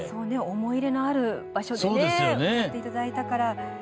思い入れのある場所で歌っていただいたから。